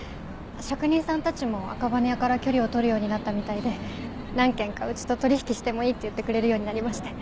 職人さんたちも赤羽屋から距離を取るようになったみたいで何軒かうちと取引してもいいって言ってくれるようになりまして。